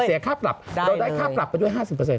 เสียค่าปรับเราได้ค่าปรับไปด้วย๕๐